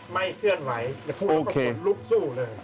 เคลื่อนไหวแต่พวกเขาก็เห็นลุกสู้เลย